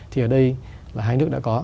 thì ở đây là hai nước đã có